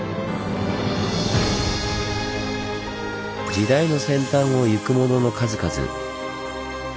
時代の先端をゆくものの数々。